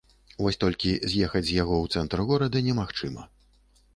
Вось толькі з'ехаць з яго ў цэнтр горада немагчыма.